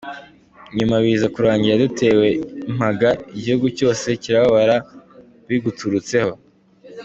nyuma biza kurangira dutewe mpaga Igihugu cyose kirababara biguturutseho!